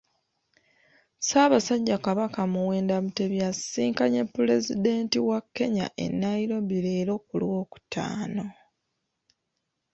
Ssaabasajja Kabaka Muwenda Mutebi asisinkanye Pulezidenti wa Kenya e Nairobi leero ku Lwokutaano.